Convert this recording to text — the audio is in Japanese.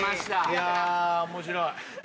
いや面白い。